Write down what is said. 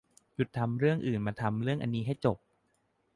หยุดทำเรื่องอื่นมาทำอันนี้ให้จบ